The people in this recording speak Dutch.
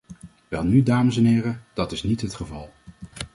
Welnu, dames en heren, dat is niet het geval.